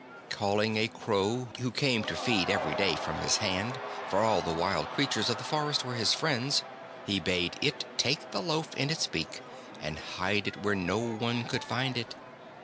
Calling a crow who came to feed every day from his hand — for all the wild creatures of the forest were his friends — he bade it take the loaf in its beak and hide it where no one could find it.